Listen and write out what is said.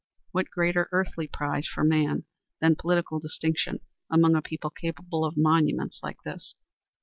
What greater earthly prize for man than political distinction among a people capable of monuments like this?